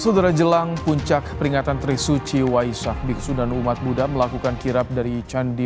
saudara jelang puncak peringatan trisuci waisak biksu dan umat buddha melakukan kirap dari candi